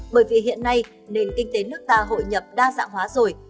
bởi vì hiện nay nền kinh tế nước ta hội nhập đa dạng hóa rồi